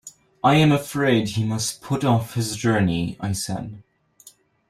“I am afraid he must put off his journey,” I said.